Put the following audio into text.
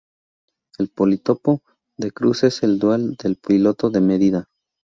El politopo de cruce es el dual del politopo de medida.